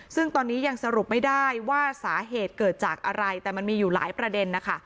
ซึ่งตอนนี้ยังสรุปไม่ได้ว่าสาเหตุเกิดจากอะไรแต่มันมีอยู่หลายประเด็นนะคะ